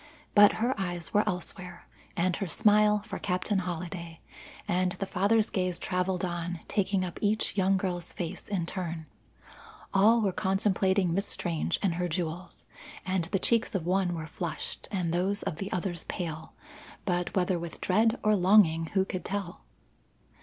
But her eyes were elsewhere, and her smile for Captain Holliday, and the father's gaze travelled on, taking up each young girl's face in turn. All were contemplating Miss Strange and her jewels, and the cheeks of one were flushed and those of the others pale, but whether with dread or longing who could tell.